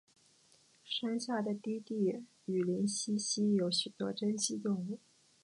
山下的低地雨林栖息有许多珍稀动物。